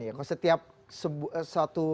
kalau setiap satu